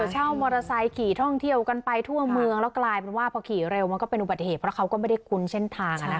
เช่ามอเตอร์ไซค์ขี่ท่องเที่ยวกันไปทั่วเมืองแล้วกลายเป็นว่าพอขี่เร็วมันก็เป็นอุบัติเหตุเพราะเขาก็ไม่ได้คุ้นเส้นทาง